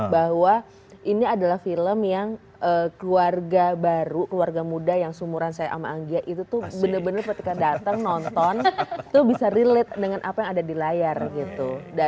bahwa ini adalah film yang keluarga baru keluarga muda yang seumuran saya sama anggia itu tuh bener bener ketika datang nonton tuh bisa relate dengan apa yang ada di layar gitu